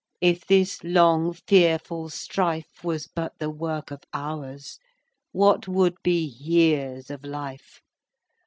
If this long, fearful strife Was but the work of hours, What would be years of life?